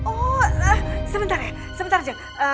oh sebentar ya sebentar jack